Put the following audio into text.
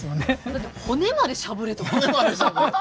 だって「骨までしゃぶれ」とか。